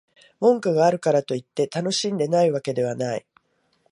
文句があるからといって、楽しんでないわけではない